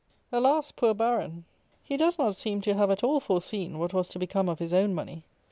Alas! poor Baron! he does not seem to have at all foreseen what was to become of his own money!